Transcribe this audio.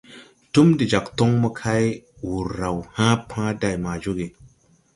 Túm de jag toŋ mo kay, wur raw hãã pãã day ma jooge.